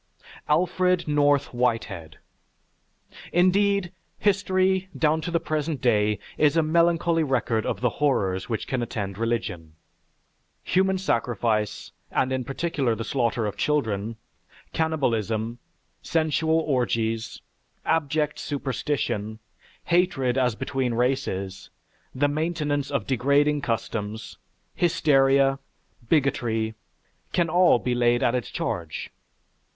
ALFRED NORTH WHITEHEAD Indeed, history, down to the present day, is a melancholy record of the horrors which can attend religion: human sacrifice, and, in particular, the slaughter of children, cannibalism, sensual orgies, abject superstition, hatred as between races, the maintenance of degrading customs, hysteria, bigotry, can all be laid at it's charge.